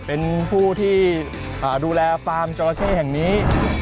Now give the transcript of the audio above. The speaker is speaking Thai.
เป็นผู้ที่ดูแลฟาร์มจอราเข้แห่งนี้